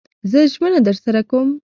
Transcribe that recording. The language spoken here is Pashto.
زه ژمنه درسره کوم